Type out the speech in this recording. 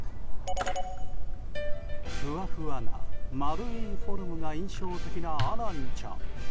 ふわふわな丸いフォルムが印象的なアランちゃん。